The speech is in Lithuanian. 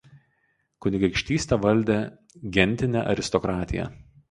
Kunigaikštystę valdė gentinė aristokratija.